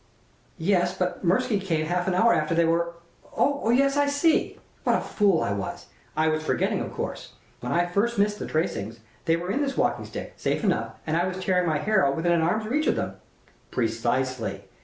"Yes, but Mirsky came half an hour after they were Oh, yes, I see. What a fool I was! I was forgetting. Of course, when I first missed the tracings, they were in this walking stick, safe enough, and I was tearing my hair out within arm's reach of them!" "Precisely.